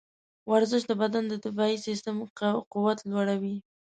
ورزش د بدن د دفاعي سیستم قوت لوړوي.